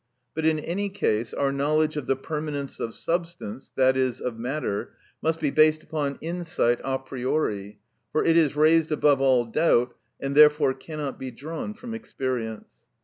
But in any case, our knowledge of the permanence of substance, i.e., of matter, must be based upon insight a priori; for it is raised above all doubt, and therefore cannot be drawn from experience.